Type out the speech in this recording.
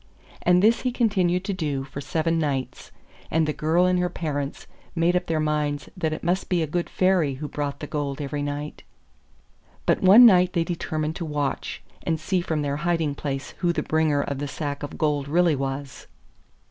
And this he continued to do for seven nights, and the girl and her parents made up their minds that it must be a good Fairy who brought the gold every night. But one night they determined to watch, and see from their hiding place who the bringer of the sack of gold really was.